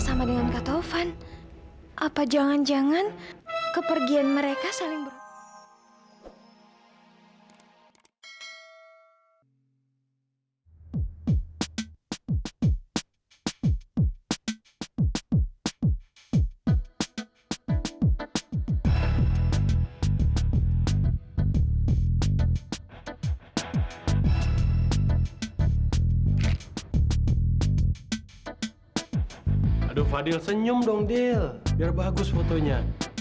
sampai jumpa di video selanjutnya